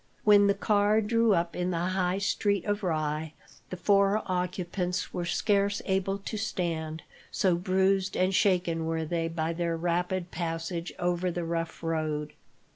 When the car drew up in the High Street of Rye, the four occupants were scarce able to stand, so bruised and shaken were they by their rapid passage over the rough road.